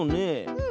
うん。